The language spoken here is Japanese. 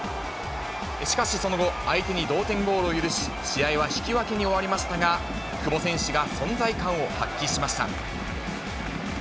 しかしその後、相手に同点ゴールを許し、試合は引き分けに終わりましたが、久保選手が存在感を発揮しました。